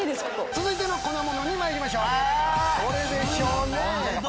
続いての粉ものまいりましょう。